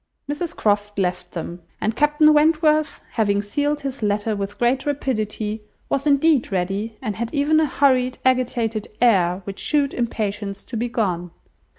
Mrs Croft left them, and Captain Wentworth, having sealed his letter with great rapidity, was indeed ready, and had even a hurried, agitated air, which shewed impatience to be gone.